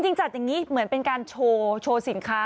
จริงจัดอย่างนี้เหมือนเป็นการโชว์สินค้า